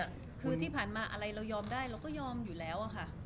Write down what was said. คือที่ผ่านมาอะไรเรายอมได้เราก็ยอมอยู่แล้วอะค่ะ